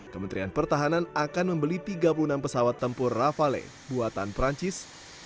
kementerian pertahanan akan membeli tiga puluh enam pesawat tempur rafale buatan perancis